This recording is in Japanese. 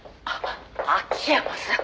秋山さん。